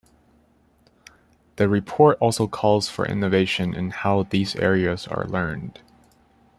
The report also calls for innovation in how these areas are learned.